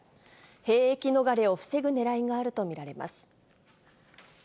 兵役逃れを防ぐねらいがあると見られます。